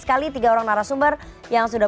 sekali tiga orang narasumber yang sudah